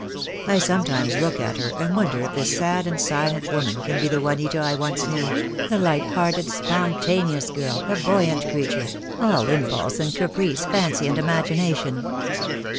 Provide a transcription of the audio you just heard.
I sometimes look at her and wonder if this sad and silent woman can be the Juanita I once knew; the light hearted, spontaneous girl, a buoyant creature, all impulse and caprice, fancy and imagination."